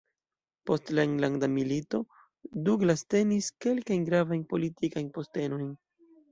Post la Enlanda Milito, Douglass tenis kelkajn gravajn politikajn postenojn.